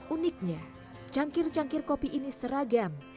uniknya cangkir cangkir kopi ini seragam